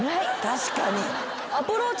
確かに。